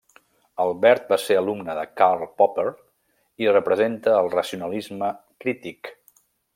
Albert va ser alumne de Karl Popper i representa el racionalisme crític.